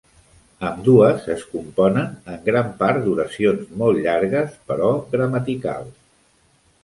Ambdues es componen en gran part d'oracions molt llargues però gramaticals.